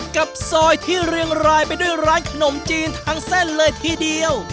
กับซอยที่เรียงรายไปด้วยร้านขนมจีนทั้งเส้นเลยทีเดียว